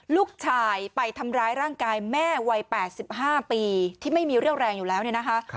ลูกชายไปทำร้ายร่างกายแม่วัย๘๕ปีที่ไม่มีเรี่ยวแรงอยู่แล้วเนี่ยนะคะ